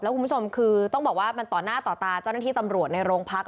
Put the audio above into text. คุณผู้ชมคือต้องบอกว่ามันต่อหน้าต่อตาเจ้าหน้าที่ตำรวจในโรงพัก